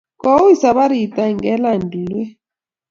Ko ui saparit al kelany tulwet